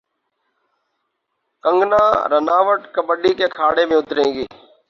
کنگنا رناوٹ کبڈی کے اکھاڑے میں اتریں گی